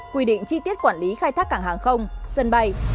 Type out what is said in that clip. quy định chi tiết quản lý khai thác cảng hàng không sân bay